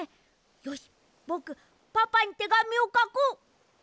よしぼくパパにてがみをかこう！